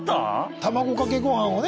卵かけご飯をね。